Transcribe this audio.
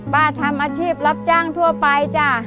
ทำอาชีพรับจ้างทั่วไปจ้ะ